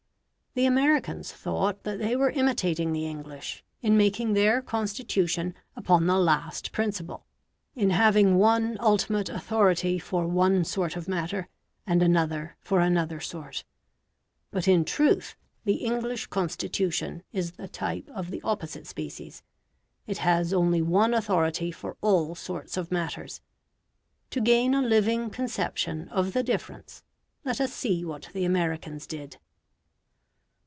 The Americans thought that they were imitating the English in making their Constitution upon the last principle in having one ultimate authority for one sort of matter, and another for another sort. But in truth the English Constitution is the type of the opposite species; it has only one authority for all sorts of matters. To gain a living conception of the difference let us see what the Americans did.